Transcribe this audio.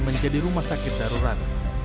menjadi rumah sakit darurat